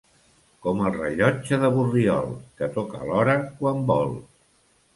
Com el rellotge de Borriol, que toca l'hora quan vol.